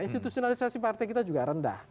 institusionalisasi partai kita juga rendah